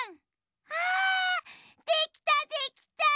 あできたできた！